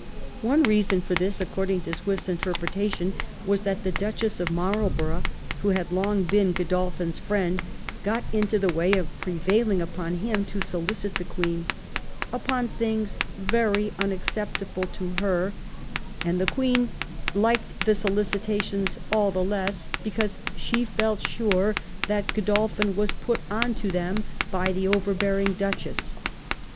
One reason for this, according to Swift's interpreta tion, was that the Duchess of Marlborough, who had long been Gk)doIphin's friend, got into the way of pre vailing upon him to solicit the Queen '^upon things very unacceptable to her," and the Queen liked the solicitations all the less because she felt sure that Godol phin was put on to them by the overbearing Duchess.